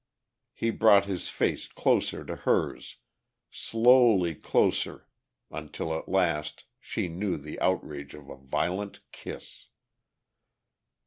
He brought his face closer to hers, slowly closer until at last she knew the outrage of a violent kiss....